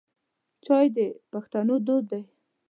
چای د پښتنو دود دی.